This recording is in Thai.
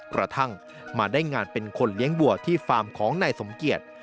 กระทั่งมาได้งานเป็นคนเลี้ยงบัวที่ฟาร์มของนายสมเกียจ